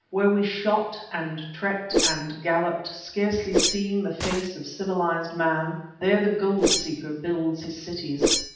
Where we shot and trekked and galloped, scarcely seeing the face of civilized man, there the gold seeker builds his cities.